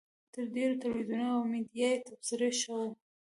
تر ډېرو تلویزیوني او میډیایي تبصرو ښه وه.